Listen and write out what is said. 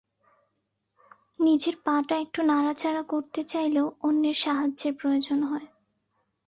নিজের পা টা একটু নাড়াচাড়া করতে চাইলেও অন্যের সাহায্যের প্রয়োজন হয়।